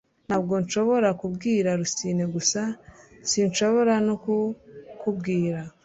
Ntabwo nshobora kubwira Rusine gusa sinshobora no kukubwira